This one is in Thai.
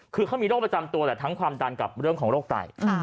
คือเขามีโรคประจำตัวแหละทั้งความดันกับเรื่องของโรคไต